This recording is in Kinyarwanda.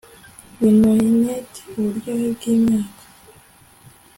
Winoined uburyohe bwimyaka